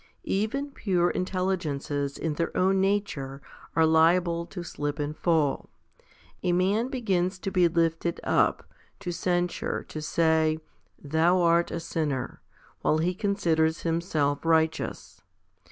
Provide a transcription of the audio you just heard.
Even pure intelligences in their own nature are liable to slip and fall. A man begins to be lifted up, to censure, to say, "Thou art a sinner," while he considers himself righteous.